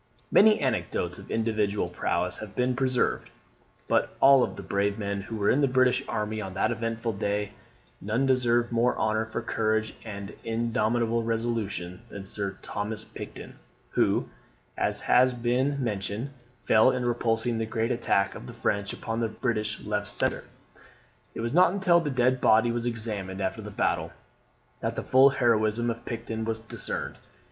Many anecdotes of individual prowess have been preserved: but of all the brave men who were in the British army on that eventful day, none deserve more honour for courage and indomitable resolution than Sir Thomas Picton, who, as has been mentioned, fell in repulsing the great attack of the French upon the British left centre. It was not until the dead body was examined after the battle, that the full heroism of Picton was discerned.